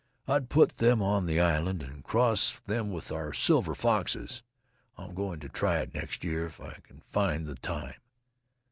I'd put them on the island and cross them with our silver foxes. I'm going to try it next year if I can find the time."